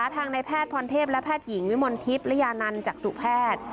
ทางนายแพทย์พรเทพและแพทย์หญิงวิมลทิพย์และยานันจักษุแพทย์